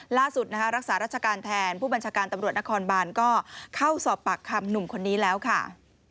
ล่าสุดนะคะรักษาราชการแทนผู้บัญชาการตำรวจนครบานก็เข้าสอบปากคำหนุ่มคนนี้แล้วค่ะ